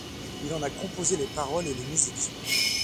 Il en a composé les paroles et les musiques.